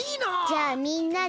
じゃあみんなで。